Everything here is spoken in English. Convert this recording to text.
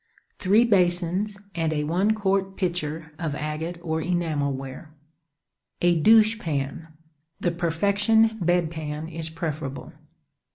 Three Basins and a one quart Pitcher of agate or enamel ware. A Douche Pan; the "perfection Bed Pan" is preferable.